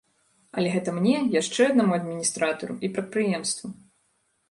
Але гэта мне, яшчэ аднаму адміністратару і прадпрыемству.